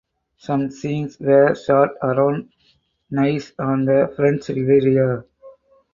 Some scenes were shot around Nice on the French Riviera.